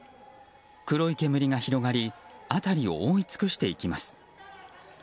黒い煙が広がり辺りを覆い尽くしていきます。